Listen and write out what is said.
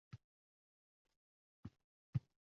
Ota-onamdan qonuniy tugʻilganman.